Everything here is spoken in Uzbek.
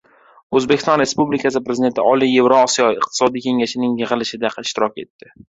O‘zbekiston Respublikasi Prezidenti Oliy Yevroosiyo iqtisodiy kengashining yig‘ilishida ishtirok etadi